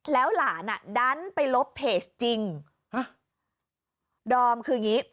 แล้วหลานอ่ะดันไปลบเพจจริงฮะดอมคืออย่างงี้